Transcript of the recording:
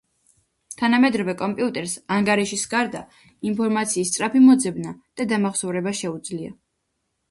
თანამედროვე კომპიუტერს ანგარიშის გარდა, ინფორმაციის სწრაფი მოძებნა და დამახსოვრება შეუძლია.